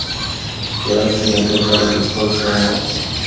که ته لایق شې نو ټول خلک به ستا ستاینه وکړي.